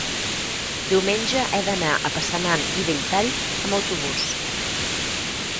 diumenge he d'anar a Passanant i Belltall amb autobús.